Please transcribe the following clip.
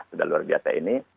sudah luar biasa ini